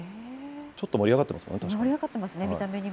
ちょっと盛り上がってますかね、確かに。